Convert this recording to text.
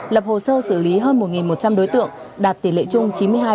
lập hồ sơ xử lý hơn một một trăm linh đối tượng đạt tỉ lệ chung chín mươi hai chín mươi năm